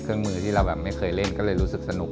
เครื่องมือที่เราแบบไม่เคยเล่นก็เลยรู้สึกสนุก